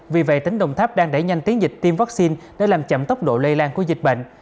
vì vậy tỉnh đồng tháp đang đẩy nhanh tiến dịch tiêm vaccine để làm chậm tốc độ lây lan của dịch bệnh